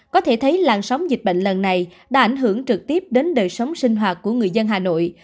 có thể thấy làn sóng dịch bệnh lần này đã ảnh hưởng trực tiếp đến đời sống sinh hoạt của người dân hà nội